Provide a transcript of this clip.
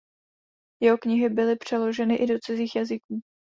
Jeho knihy byly přeloženy i do cizích jazyků.